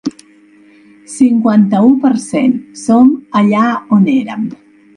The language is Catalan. Cinquanta-u per cent Som allà on érem.